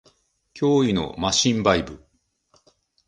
脅威のマシンバイブ